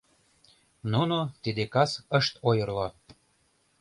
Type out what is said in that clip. Нуно тиде кас ышт ойырло.